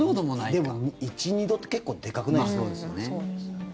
でも１２度って結構でかくないですか。